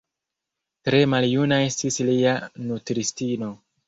Tre maljuna estis lia nutristino.